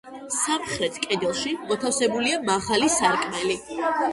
სამხრეთ კედელში მოთავსებულია მაღალი სარკმელი.